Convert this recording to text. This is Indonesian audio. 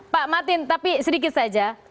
pak martin tapi sedikit saja